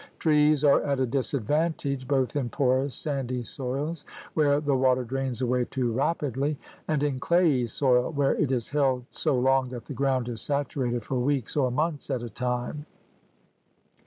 Trees are at a disadvantage both in porous, sandy soils, where the water drains away too rapidly, and in clayey soil, where it is held so long that the ground is saturated for weeks or months at a time.